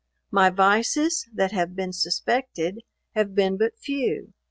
My vices, that have been suspected, have been but few.